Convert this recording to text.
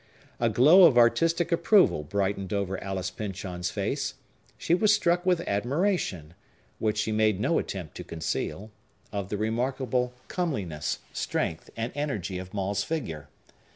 A glow of artistic approval brightened over Alice Pyncheon's face; she was struck with admiration—which she made no attempt to conceal—of the remarkable comeliness, strength, and energy of Maule's figure.